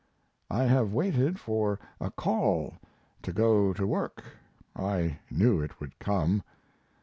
I have waited for a "call" to go to work I knew it would come.